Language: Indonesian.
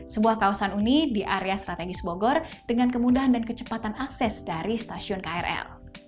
sebuah kawasan uni di area strategis bogor dengan kemudahan dan kecepatan akses dari stasiun krl